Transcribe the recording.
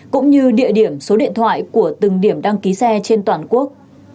cũng như địa điểm số điện thoại của từng điểm đăng ký xe trên toàn quốc